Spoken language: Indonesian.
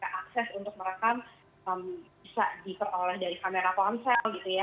akses untuk merekam bisa diperoleh dari kamera ponsel gitu ya